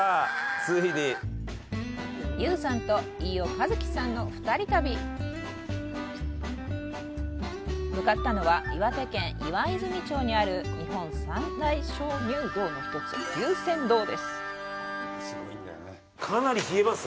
ついにＹＯＵさんと飯尾和樹さんの２人旅向かったのは岩手県岩泉町にある日本三大鍾乳洞の１つ龍泉洞ですかなり冷えます？